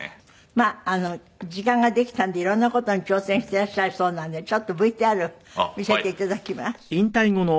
まあ時間ができたんでいろんな事に挑戦してらっしゃるそうなのでちょっとＶＴＲを見せていただきます。